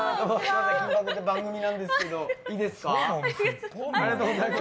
番組なんですけどいいですか？